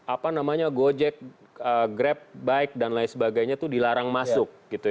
apa namanya gojek grab bike dan lain sebagainya itu dilarang masuk